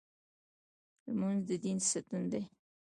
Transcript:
لمونځ د دین ستن ده.